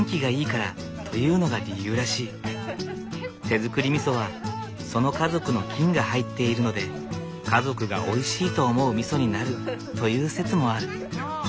手づくりみそはその家族の菌が入っているので家族がおいしいと思うみそになるという説もある。